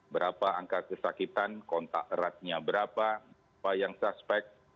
berapa angka kesakitan kontak eratnya berapa yang suspek